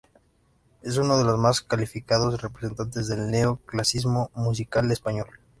Es uno de los más calificados representantes del neo-clasicismo musical español.